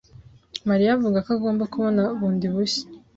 Mariya avuga ko agomba kubona bundi bushya.